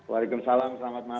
waalaikumsalam selamat malam